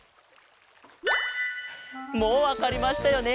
もうわかりましたよね？